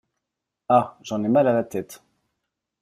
Ah ! j’en ai mal à la tête !